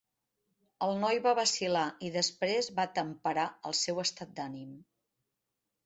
El noi va vacil·lar i després va temperar el seu estat d'ànim.